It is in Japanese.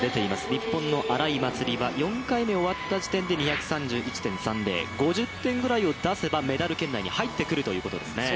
日本の荒井祭里は４回目終わった時点で２３１．３０５０点ぐらいを出せばメダル圏内に入ってくるということですね。